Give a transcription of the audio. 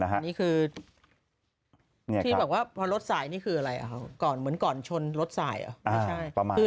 อันนี้คือที่แบบว่าพอรถสายนี่คืออะไรก่อนเหมือนก่อนชนรถสายเหรอ